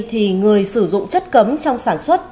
thì người sử dụng chất cấm trong sản xuất